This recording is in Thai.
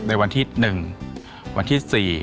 ในวันที่๑วันที่๔